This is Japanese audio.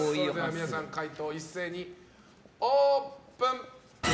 皆さん、解答を一斉にオープン。